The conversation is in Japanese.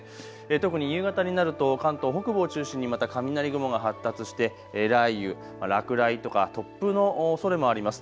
特に夕方になると関東北部を中心にまた雷雲が発達して雷雨、落雷とか突風のおそれもあります。